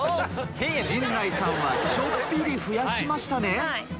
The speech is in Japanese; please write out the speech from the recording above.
陣内さんはちょっぴり増やしましたね